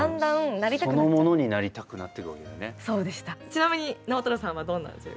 ちなみに直太朗さんはどんな。